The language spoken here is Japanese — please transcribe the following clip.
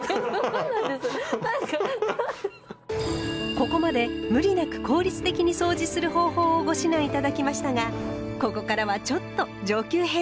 ここまで無理なく効率的にそうじする方法をご指南頂きましたがここからはちょっと上級編。